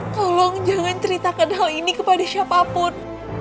tolong jangan ceritakan hal ini kepada siapapun